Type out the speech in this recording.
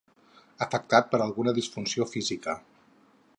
Afectat per alguna disfunció física.